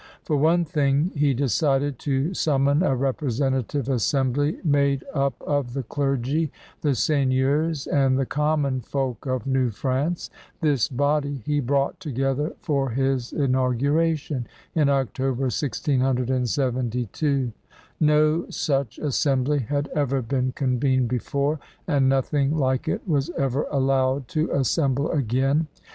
For one thing, he decided to summon a representative assembly made up of the clergy, the seigneurs, and the common folk of New France. This body he brought together for his inauguration in October, 1672. No such assembly had ever been convened before, and nothing like it was ever allowed to assemble again.